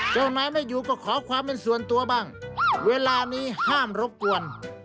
เจ้านายไม่อยู่ก็ขอความเป็นส่วนตัวบ้างเวลานี้ห้ามรบกวน